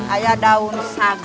ayah daun saga